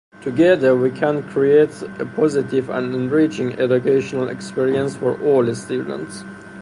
Together, we can create a positive and enriching educational experience for all students.